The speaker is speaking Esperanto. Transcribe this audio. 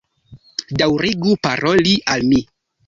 Daŭrigu paroli al mi